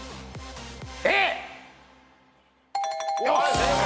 正解。